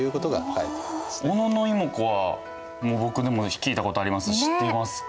小野妹子は僕でも聞いたことありますし知ってますから。